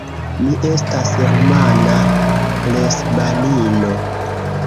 Mi estas rumana lesbanino.